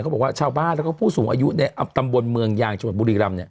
บอกว่าชาวบ้านแล้วก็ผู้สูงอายุในตำบลเมืองยางจังหวัดบุรีรำเนี่ย